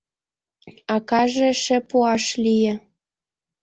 Акаже эше пуаш лие.